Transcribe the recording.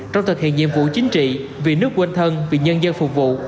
trong thực hiện nhiệm vụ chính trị vì nước quên thân vì nhân dân phục vụ